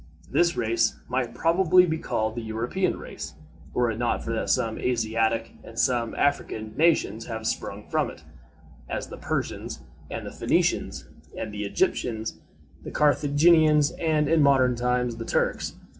This race might probably be called the European race, were it not that some Asiatic and some African nations have sprung from it, as the Persians, the Ph[oe]nicians, the Egyptians, the Carthaginians, and, in modern times, the Turks.